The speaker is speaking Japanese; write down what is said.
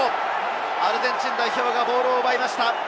アルゼンチン代表がボールを奪いました。